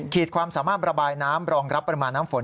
ความสามารถระบายน้ำรองรับปริมาณน้ำฝน